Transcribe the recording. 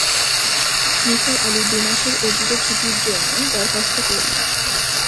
নিসার আলি দুমাসের অর্জিত ছুটির জন্যে দরখাস্ত করলেন।